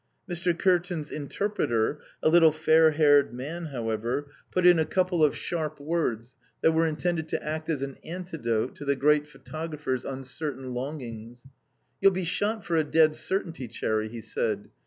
Mr. Kearton's interpreter, a little fair haired man, however, put in a couple of sharp words that were intended to act as an antidote to the great photographer's uncertain longings. "You'll be shot for a dead certainty, Cherry?" he said.